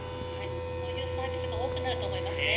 そういうサービスが多くなると思いますね。